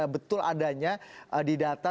betul adanya di data